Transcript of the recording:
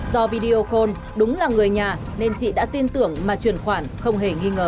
do video call đúng là người nhà nên chị đã tin tưởng mà truyền khoản không hề nghi ngờ